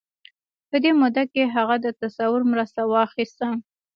په دې موده کې هغه د تصور مرسته واخيسته.